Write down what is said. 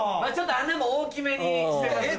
穴も大きめにしてますんで。